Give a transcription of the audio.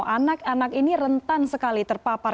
anak anak ini rentan sekali terpapar